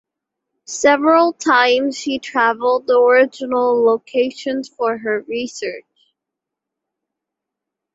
Several times she traveled the original locations for her research.